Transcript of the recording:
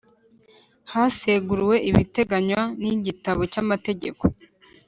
Haseguriwe ibiteganywa n igitabo cy amategeko